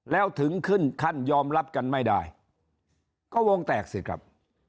แล้วถึงขึ้นขั้นยอมรับกันไม่ได้ก็วงแตกสิครับ